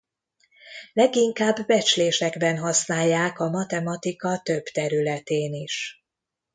Leginkább becslésekben használják a matematika több területén is.